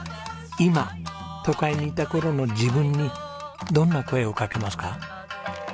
今都会にいた頃の自分にどんな声をかけますか？